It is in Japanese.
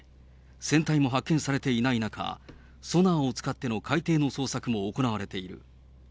船体も発見されていない中、ソナーを使っての海底の捜索も行われている。